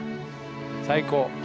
最高。